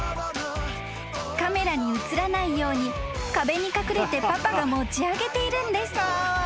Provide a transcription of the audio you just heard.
［カメラに映らないように壁に隠れてパパが持ち上げているんです］